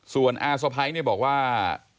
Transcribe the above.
ส่วนอาสะไพ้นี่บอกว่า